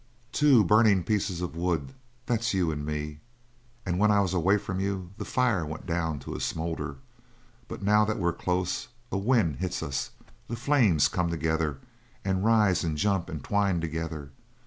"Two burnin' pieces of wood, that's you and me, and when I was away from you the fire went down to a smoulder; but now that we're close a wind hits us, and the flames come together and rise and jump and twine together.